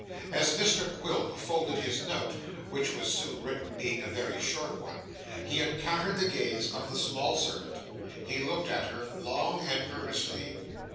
As Mr Quilp folded his note (which was soon written: being a very short one) he encountered the gaze of the small servant. He looked at her, long and earnestly.